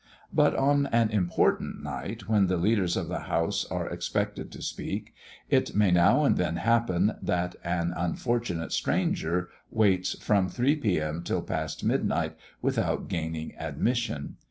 But on an important night, when the leaders of the house are expected to speak, it may now and then happen that an unfortunate "stranger" waits from three P.M. until past midnight without gaining admission.